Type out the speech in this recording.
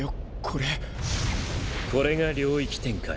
これが領域展開。